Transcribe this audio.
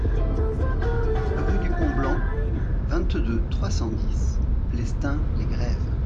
Rue du Pont Blanc, vingt-deux, trois cent dix Plestin-les-Grèves